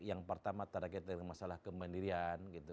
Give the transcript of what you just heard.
yang pertama terkait dengan masalah kemendirian